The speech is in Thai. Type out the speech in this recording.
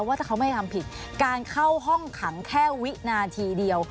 ว่าถ้าเขาไม่ได้ทำผิดการเข้าห้องขังแค่วินาทีเดียว